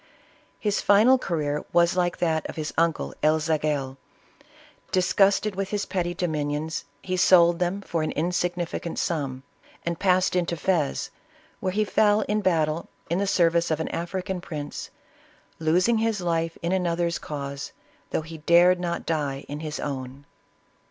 His final career was like that of his uncle El Zagel. Disgusted with his petty dominions, he sold them for an insignificant sum, and passed into Fez, where he fell in battle in the service of an African prince, " losing his life in another's cause, though he dared not die in his own."